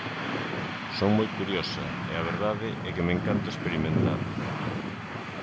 Son moi curiosa e a verdade é que me encanta experimentar.